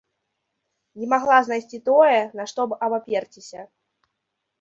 Не магла знайсці тое, на што б абаперціся.